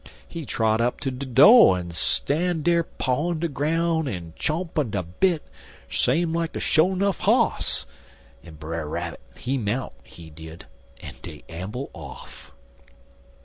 He trot up ter de do' en stan' dar pawin' de ground en chompin' de bit same like sho 'nuff hoss, en Brer Rabbit he mount, he did, en dey amble off.